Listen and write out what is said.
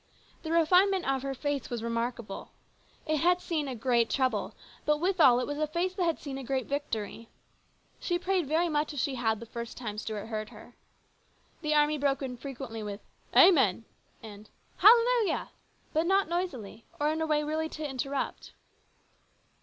The refinement of her face was remarkable. It had seen a great trouble, but withal it was a face that had seen a great victory. She prayed very much as she had the first time Stuart heard her. The army broke in frequently with " Amen !" and " Hallelujah !" but not noisily or in a way really to interrupt.